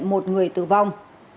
một người tử vong